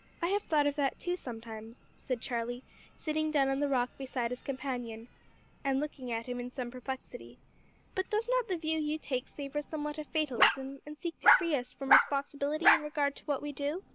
"I have thought of that too, sometimes," said Charlie, sitting down on the rock beside his companion, and looking at him in some perplexity, "but does not the view you take savour somewhat of fatalism, and seek to free us from responsibility in regard to what we do?"